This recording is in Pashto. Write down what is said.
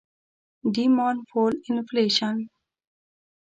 Demand pull Inflation